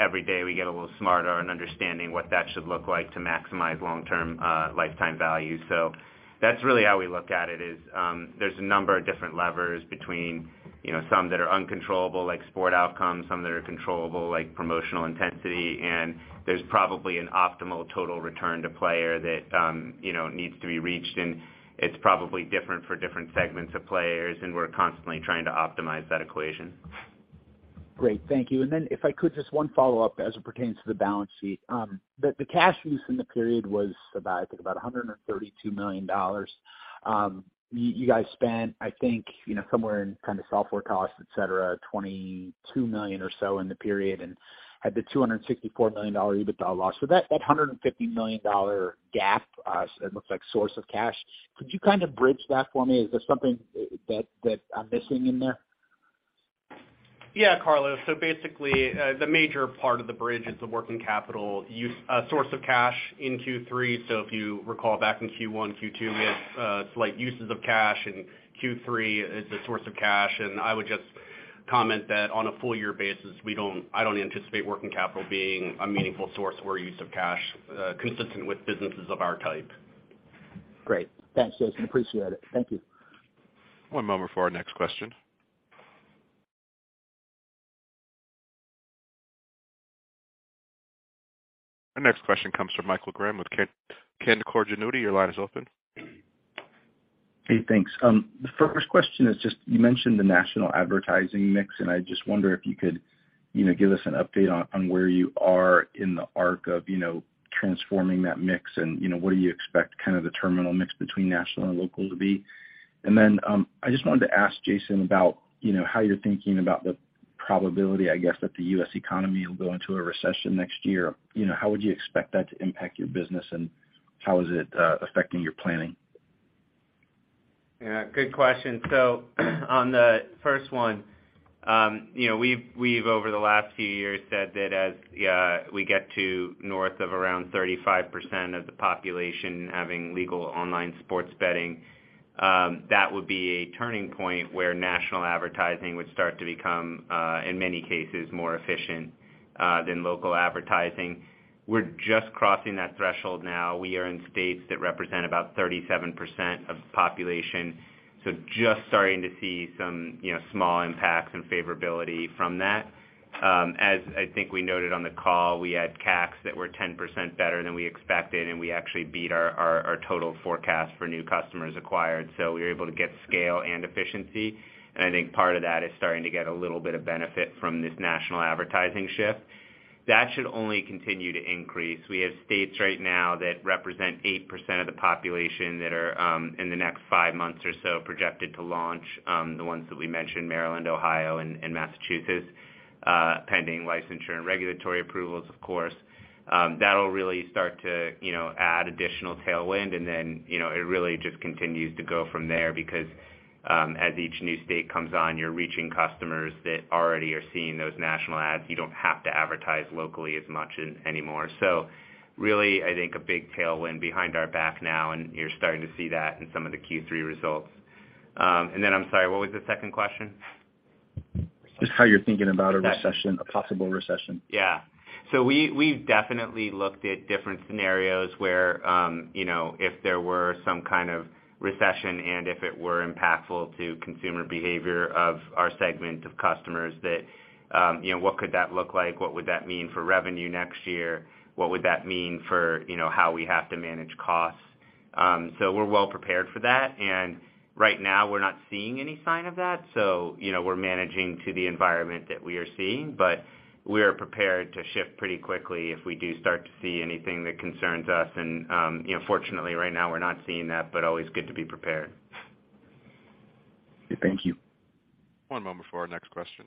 Every day we get a little smarter in understanding what that should look like to maximize long-term lifetime value. That's really how we look at it. There's a number of different levers between, you know, some that are uncontrollable, like sport outcomes, some that are controllable, like promotional intensity. There's probably an optimal total return to player that, you know, needs to be reached, and it's probably different for different segments of players, and we're constantly trying to optimize that equation. Great. Thank you. If I could, just one follow-up as it pertains to the balance sheet. The cash use in the period was about, I think, $132 million. You guys spent, I think, you know, somewhere in kind of software costs, et cetera, $22 million or so in the period, and had the $264 million EBITDA loss. That $150 million dollar gap looks like source of cash. Could you kind of bridge that for me? Is there something that I'm missing in there? Yeah, Carlo. Basically, the major part of the bridge is the working capital use, source of cash in Q3. If you recall back in Q1, Q2, we had slight uses of cash, and Q3 is a source of cash. I would just comment that on a full year basis, I don't anticipate working capital being a meaningful source or use of cash, consistent with businesses of our type. Great. Thanks, Jason. Appreciate it. Thank you. One moment for our next question. Our next question comes from Michael Graham with Canaccord Genuity. Your line is open. Hey, thanks. The first question is just, you mentioned the national advertising mix, and I just wonder if you could, you know, give us an update on where you are in the arc of, you know, transforming that mix and, you know, what do you expect kind of the terminal mix between national and local to be? I just wanted to ask Jason about, you know, how you're thinking about the probability, I guess, that the U.S. economy will go into a recession next year. You know, how would you expect that to impact your business, and how is it affecting your planning? Yeah, good question. On the first one, you know, we've over the last few years said that as we get to north of around 35% of the population having legal online sports betting, that would be a turning point where national advertising would start to become, in many cases more efficient, than local advertising. We're just crossing that threshold now. We are in states that represent about 37% of the population, so just starting to see some, you know, small impacts and favorability from that. As I think we noted on the call, we had CACs that were 10% better than we expected, and we actually beat our total forecast for new customers acquired. We were able to get scale and efficiency. I think part of that is starting to get a little bit of benefit from this national advertising shift. That should only continue to increase. We have states right now that represent 8% of the population that are in the next five months or so projected to launch the ones that we mentioned, Maryland, Ohio and Massachusetts, pending licensure and regulatory approvals, of course. That'll really start to, you know, add additional tailwind. Then, you know, it really just continues to go from there because as each new state comes on, you're reaching customers that already are seeing those national ads. You don't have to advertise locally as much anymore. Really, I think a big tailwind behind our back now, and you're starting to see that in some of the Q3 results. I'm sorry, what was the second question? Just how you're thinking about a recession, a possible recession? Yeah. We've definitely looked at different scenarios where, you know, if there were some kind of recession and if it were impactful to consumer behavior of our segment of customers that, you know, what could that look like? What would that mean for revenue next year? What would that mean for, you know, how we have to manage costs? We're well prepared for that. Right now, we're not seeing any sign of that. You know, we're managing to the environment that we are seeing, but we are prepared to shift pretty quickly if we do start to see anything that concerns us. You know, fortunately, right now, we're not seeing that, but always good to be prepared. Thank you. One moment for our next question.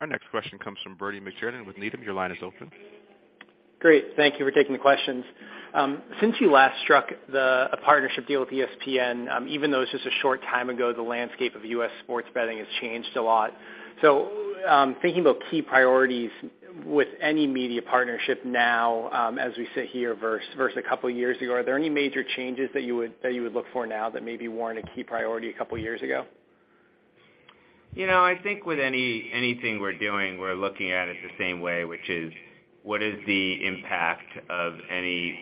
Our next question comes from Brandt Montour with Barclays. Your line is open. Great. Thank you for taking the questions. Since you last struck a partnership deal with ESPN, even though it's just a short time ago, the landscape of U.S. sports betting has changed a lot. Thinking about key priorities with any media partnership now, as we sit here versus a couple years ago, are there any major changes that you would look for now that maybe weren't a key priority a couple years ago? You know, I think with anything we're doing, we're looking at it the same way, which is what is the impact of any,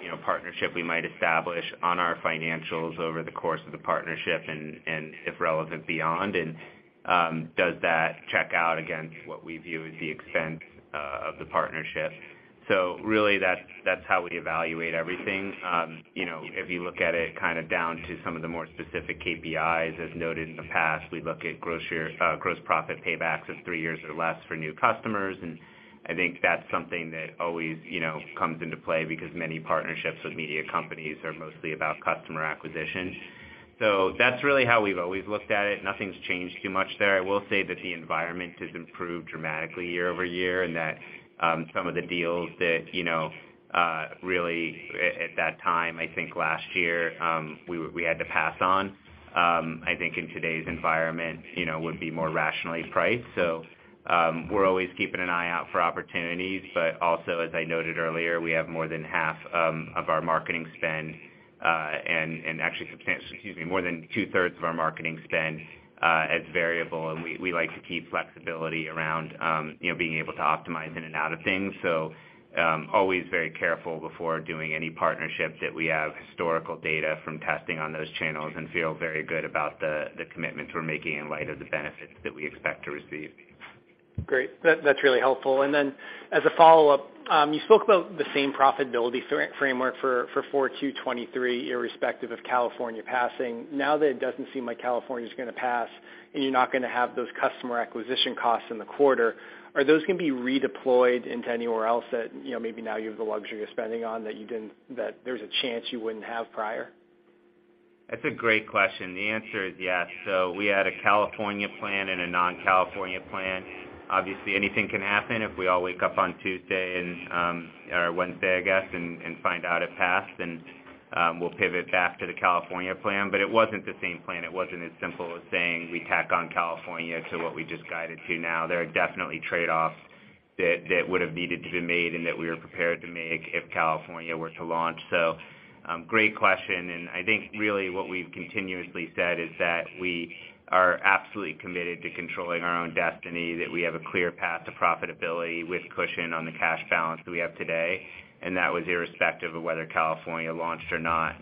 you know, partnership we might establish on our financials over the course of the partnership and if relevant, beyond. Does that check out against what we view as the expense of the partnership? Really, that's how we evaluate everything. You know, if you look at it kind of down to some of the more specific KPIs, as noted in the past, we look at gross profit paybacks of three years or less for new customers. I think that's something that always, you know, comes into play because many partnerships with media companies are mostly about customer acquisition. That's really how we've always looked at it. Nothing's changed too much there. I will say that the environment has improved dramatically year-over-year, and that some of the deals that you know really at that time I think last year we had to pass on I think in today's environment you know would be more rationally priced. We're always keeping an eye out for opportunities. Also as I noted earlier we have more than half of our marketing spend and actually substantially excuse me more than two-thirds of our marketing spend as variable. We like to keep flexibility around you know being able to optimize in and out of things. Always very careful before doing any partnership that we have historical data from testing on those channels and feel very good about the commitments we're making in light of the benefits that we expect to receive. Great. That's really helpful. As a follow-up, you spoke about the same profitability framework for 2023, irrespective of California passing. Now that it doesn't seem like California's gonna pass, and you're not gonna have those customer acquisition costs in the quarter, are those gonna be redeployed into anywhere else that, you know, maybe now you have the luxury of spending on that you didn't, that there's a chance you wouldn't have prior? That's a great question. The answer is yes. We had a California plan and a non-California plan. Obviously, anything can happen if we all wake up on Tuesday and, or Wednesday, I guess, and find out it passed then, we'll pivot back to the California plan. It wasn't the same plan. It wasn't as simple as saying we tack on California to what we just guided to now. There are definitely trade-offs that would've needed to be made and that we were prepared to make if California were to launch. Great question, and I think really what we've continuously said is that we are absolutely committed to controlling our own destiny, that we have a clear path to profitability with cushion on the cash balance that we have today, and that was irrespective of whether California launched or not.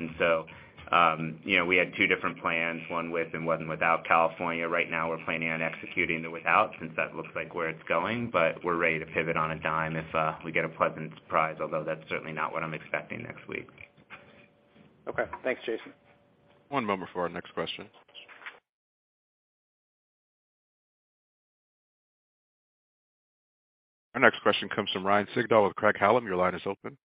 You know, we had two different plans, one with and one without California. Right now, we're planning on executing the without, since that looks like where it's going. We're ready to pivot on a dime if we get a pleasant surprise, although that's certainly not what I'm expecting next week. Okay. Thanks, Jason. One moment for our next question. Our next question comes from Ryan Sigdahl with Craig-Hallum. Your line is open.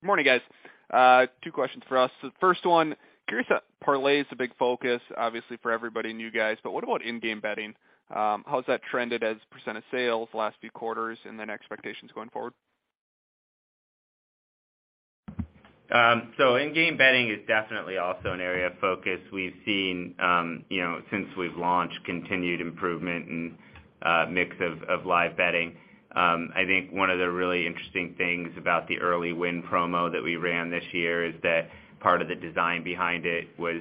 Good morning, guys. Two questions for us. The first one, curious that parlays a big focus, obviously for everybody and you guys, but what about in-game betting? How has that trended as percent of sales the last few quarters, and then expectations going forward? In-game betting is definitely also an area of focus. We've seen, you know, since we've launched, continued improvement in, mix of live betting. I think one of the really interesting things about the early win promo that we ran this year is that part of the design behind it was,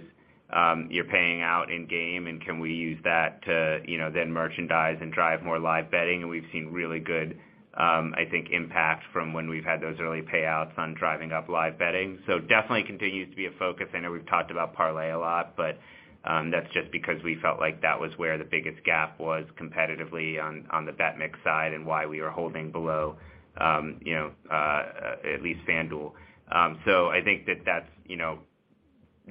you're paying out in game, and can we use that to, you know, then merchandise and drive more live betting? We've seen really good, I think, impact from when we've had those early payouts on driving up live betting. Definitely continues to be a focus. I know we've talked about parlay a lot, but, that's just because we felt like that was where the biggest gap was competitively on, the bet mix side and why we were holding below, you know, at least FanDuel. I think that that's, you know,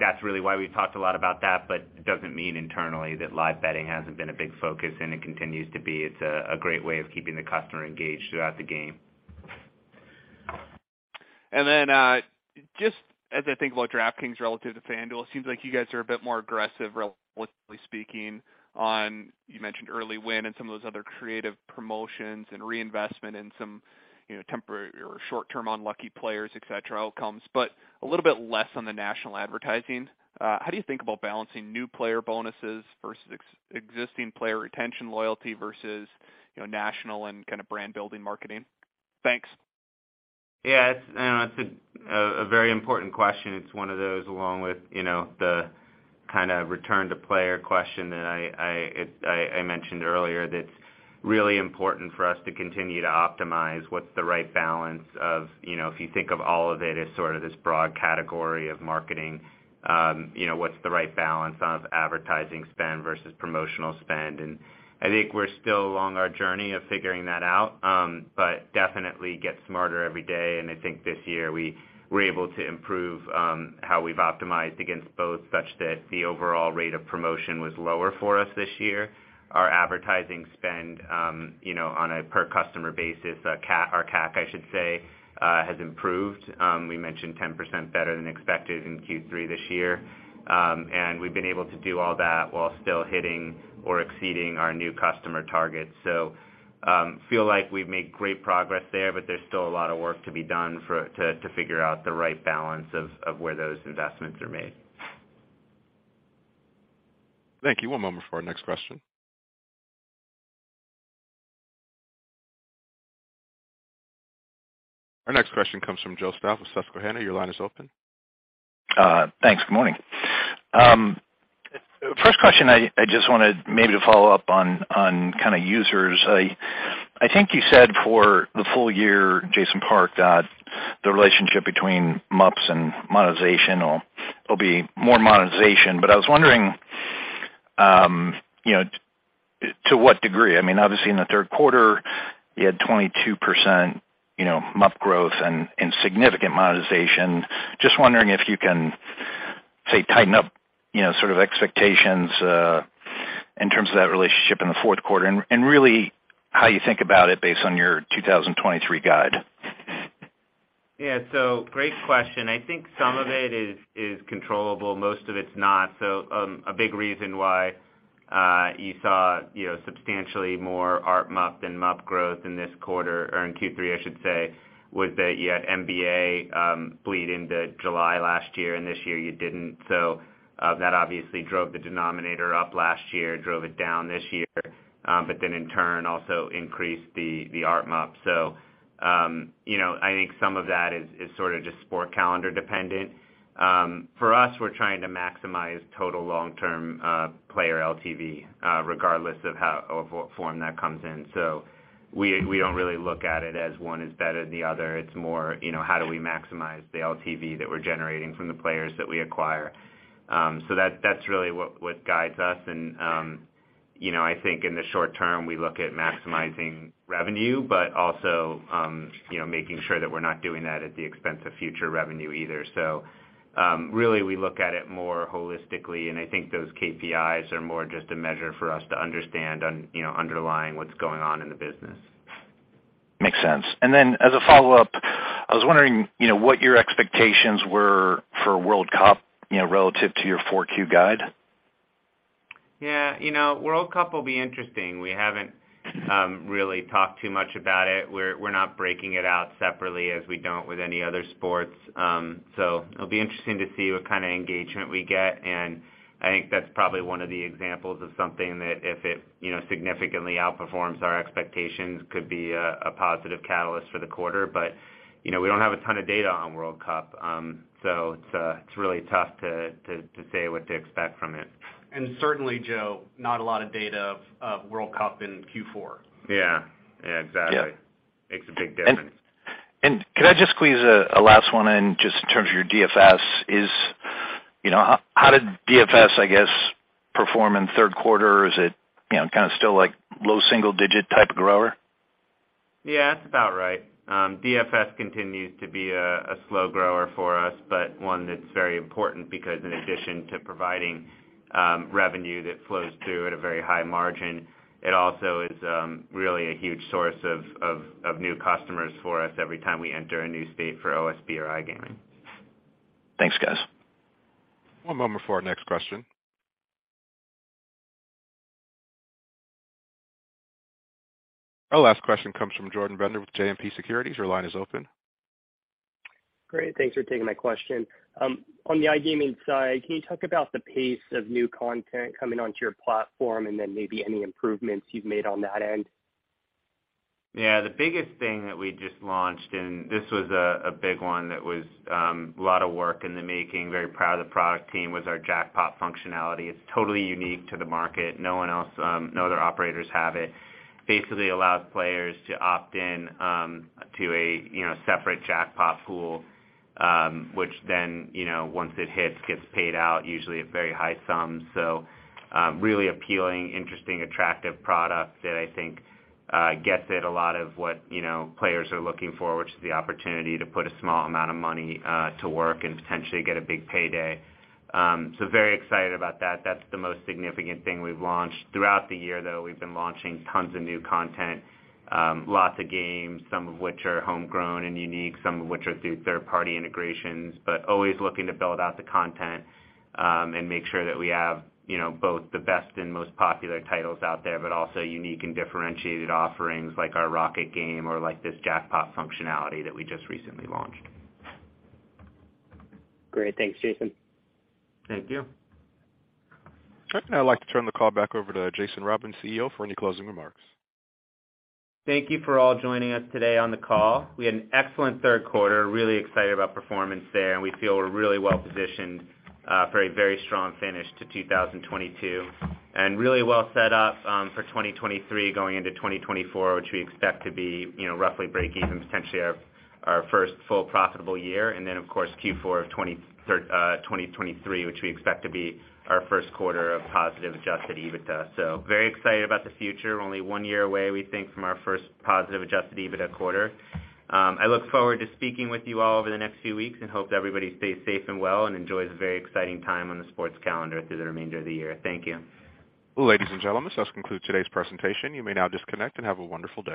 that's really why we've talked a lot about that, but it doesn't mean internally that live betting hasn't been a big focus, and it continues to be. It's a great way of keeping the customer engaged throughout the game. Just as I think about DraftKings relative to FanDuel, it seems like you guys are a bit more aggressive relatively speaking on, you mentioned early win and some of those other creative promotions and reinvestment in some, you know, short term unlucky players, et cetera, outcomes, but a little bit less on the national advertising. How do you think about balancing new player bonuses versus existing player retention loyalty versus, you know, national and kinda brand-building marketing? Thanks. Yeah. It's, I know, it's a very important question. It's one of those along with, you know, the kinda return to player question that I mentioned earlier that's really important for us to continue to optimize what's the right balance of, you know, if you think of all of it as sort of this broad category of marketing, you know, what's the right balance of advertising spend versus promotional spend? I think we're still along our journey of figuring that out. Definitely get smarter every day, and I think this year, we were able to improve how we've optimized against both such that the overall rate of promotion was lower for us this year. Our advertising spend, you know, on a per customer basis, or CAC, I should say, has improved. We mentioned 10% better than expected in Q3 this year. We've been able to do all that while still hitting or exceeding our new customer targets. Feel like we've made great progress there, but there's still a lot of work to be done to figure out the right balance of where those investments are made. Thank you. One moment for our next question. Our next question comes from Joseph Stauff with Susquehanna. Your line is open. Thanks. Good morning. First question, I just wanted maybe to follow up on kinda users. I think you said for the full year, Jason Park, that the relationship between MUPs and monetization will be more monetization. I was wondering, you know, to what degree? I mean, obviously in the third quarter, you had 22% MUP growth and significant monetization. Just wondering if you can say tighten up, you know, sort of expectations in terms of that relationship in the fourth quarter and really how you think about it based on your 2023 guide. Yeah. Great question. I think some of it is controllable, most of it's not. A big reason why you saw, you know, substantially more ARPMUP than MUP growth in this quarter or in Q3, I should say, was that you had NBA bleed into July last year, and this year you didn't. That obviously drove the denominator up last year, drove it down this year. But then in turn also increased the ARPMUP. You know, I think some of that is sorta just sports calendar dependent. For us, we're trying to maximize total long-term player LTV regardless of how or what form that comes in. We don't really look at it as one is better than the other. It's more, you know, how do we maximize the LTV that we're generating from the players that we acquire. That, that's really what guides us. You know, I think in the short term, we look at maximizing revenue, but also, you know, making sure that we're not doing that at the expense of future revenue either. Really, we look at it more holistically, and I think those KPIs are more just a measure for us to understand on, you know, underlying what's going on in the business. Makes sense. As a follow-up, I was wondering, you know, what your expectations were for World Cup, you know, relative to your Q4 guide. Yeah. You know, World Cup will be interesting. We haven't really talked too much about it. We're not breaking it out separately as we don't with any other sports. So it'll be interesting to see what kind of engagement we get, and I think that's probably one of the examples of something that if it, you know, significantly outperforms our expectations, could be a positive catalyst for the quarter. You know, we don't have a ton of data on World Cup. So it's really tough to say what to expect from it. Certainly, Joe, not a lot of data on World Cup in Q4. Yeah. Yeah, exactly. Yeah. Makes a big difference. Could I just squeeze a last one in just in terms of your DFS? You know, how did DFS, I guess, perform in third quarter? Is it, you know, kind of still like low single digit type of grower? Yeah, that's about right. DFS continues to be a slow grower for us, but one that's very important because in addition to providing revenue that flows through at a very high margin, it also is really a huge source of new customers for us every time we enter a new state for OSB or iGaming. Thanks, guys. One moment for our next question. Our last question comes from Jordan Bender with JMP Securities. Your line is open. Great. Thanks for taking my question. On the iGaming side, can you talk about the pace of new content coming onto your platform and then maybe any improvements you've made on that end? Yeah. The biggest thing that we just launched, and this was a big one that was a lot of work in the making, very proud of the product team, was our jackpot functionality. It's totally unique to the market. No one else, no other operators have it. Basically allows players to opt in to a, you know, separate jackpot pool, which then, you know, once it hits, gets paid out usually a very high sum. Really appealing, interesting, attractive product that I think gets at a lot of what, you know, players are looking for, which is the opportunity to put a small amount of money to work and potentially get a big payday. Very excited about that. That's the most significant thing we've launched. Throughout the year, though, we've been launching tons of new content, lots of games, some of which are homegrown and unique, some of which are through third-party integrations, but always looking to build out the content, and make sure that we have, you know, both the best and most popular titles out there, but also unique and differentiated offerings like our rocket game or like this jackpot functionality that we just recently launched. Great. Thanks, Jason. Thank you. I'd now like to turn the call back over to Jason Robins, CEO, for any closing remarks. Thank you for all joining us today on the call. We had an excellent Q3. Really excited about performance there, and we feel we're really well-positioned for a very strong finish to 2022. Really well set up for 2023 going into 2024, which we expect to be, you know, roughly breaking from potentially our first full profitable year. Of course Q4 of 2023, which we expect to be our Q1 of positive adjusted EBITDA. Very excited about the future. Only one year away, we think, from our first positive .djusted EBITDA quarter. I look forward to speaking with you all over the next few weeks, and hope that everybody stays safe and well and enjoys a very exciting time on the sports calendar through the remainder of the year. Thank you. Ladies and gentlemen, this does conclude today's presentation. You may now disconnect and have a wonderful day.